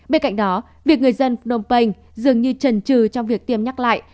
bên cạnh đó việc người dân phnom penh dường như trần trừ trong việc tiêm nhắc lại